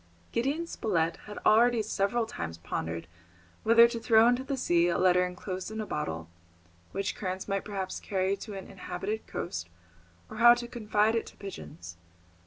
Gideon Spilett had already several times pondered whether to throw into the sea a letter enclosed in a bottle, which currents might perhaps carry to an inhabited coast, or to confide it to pigeons.